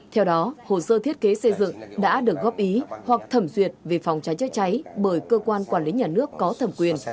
theo đó hồ sơ thiết kế xây dựng đã được góp ý hoặc thẩm duyệt về phòng cháy chữa cháy bởi cơ quan quản lý nhà nước có thẩm quyền